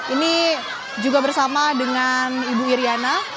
ini juga bersama dengan ibu iryana